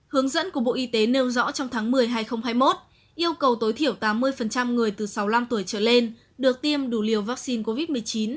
hướng dẫn của bộ y tế nêu rõ trong tháng một mươi hai nghìn hai mươi một yêu cầu tối thiểu tám mươi người từ sáu mươi năm tuổi trở lên được tiêm đủ liều vaccine covid một mươi chín